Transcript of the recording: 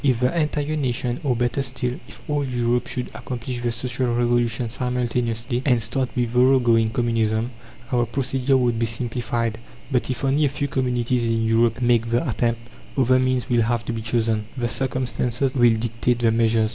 If the entire nation, or, better still, if all Europe should accomplish the Social Revolution simultaneously, and start with thorough going Communism, our procedure would be simplified; but if only a few communities in Europe make the attempt, other means will have to be chosen. The circumstances will dictate the measures.